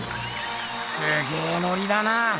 すげえノリだな。